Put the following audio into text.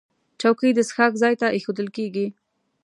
چوکۍ د څښاک ځای ته ایښودل کېږي.